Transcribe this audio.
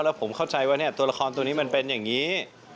แล้วผมเข้าใจว่าตัวละครตัวนี้มันเป็นอย่างนี้